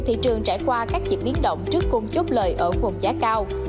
thị trường trải qua các dịp biến động trước cung chốt lời ở vùng giá cao